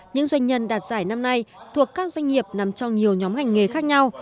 những doanh nhân đạt giải năm nay thuộc các doanh nghiệp nằm trong nhiều nhóm ngành nghề khác nhau